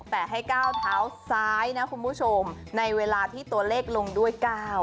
แต่ให้ก้าวเท้าซ้ายนะคุณผู้ชมในเวลาที่ตัวเลขลงด้วย๙